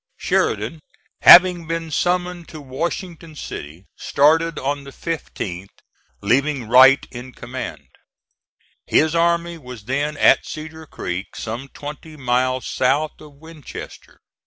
Sheridan having been summoned to Washington City, started on the 15th leaving Wright in command. His army was then at Cedar Creek, some twenty miles south of Winchester.